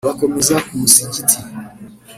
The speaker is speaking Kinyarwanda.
bakomeza ku musigiti